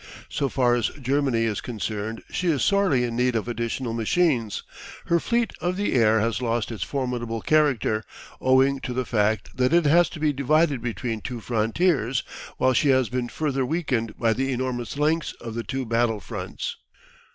So far as Germany is concerned she is sorely in need of additional machines. Her fleet of the air has lost its formidable character, owing to the fact that it has to be divided between two frontiers, while she has been further weakened by the enormous lengths of the two battle fronts.